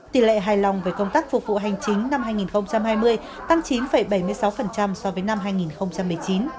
tỷ lệ hài lòng về công tác phục vụ hành chính năm hai nghìn hai mươi tăng chín bảy mươi sáu so với năm hai nghìn một mươi chín